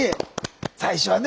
最初はね